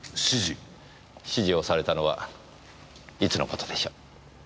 指示をされたのはいつの事でしょう？